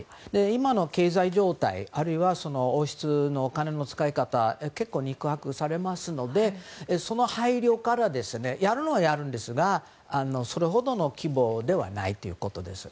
今の経済状態あるいは王室のお金の使い方結構ありますのでやるのはやるんですがそれほどの規模ではないということです。